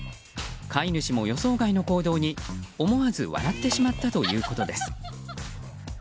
飼い主も予想外の行動に思わず笑ってしまったということです。